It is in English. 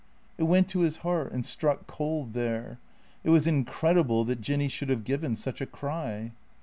It went to his heart and struck cold there. It was incredible that Jinny should have given such a cry.